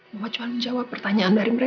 bahwa cuma menjawab pertanyaan dari mereka